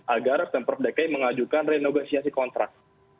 agar pemprov dki mengajukan renegosiasi kontrak